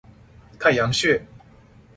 太陽穴